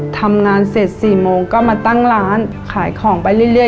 ทำงานเสร็จ๔โมงก็มาตั้งร้านขายของไปเรื่อย